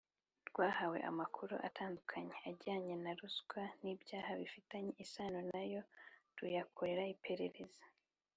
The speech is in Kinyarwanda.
Rwahawe amakuru atandukanye ajyanye na ruswa n’ibyaha bifitanye isano na yo ruyakorera iperereza